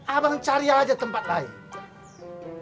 abang cari aja tempat lain